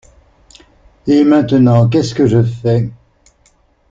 Et maintenant, qu’est-ce que je fais?